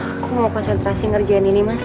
aku mau konsentrasi ngerjain ini mas